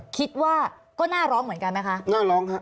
คิดว่าก็น่าร้องเหมือนกันไหมคะ